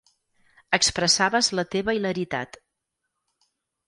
Expressaves la teva hilaritat.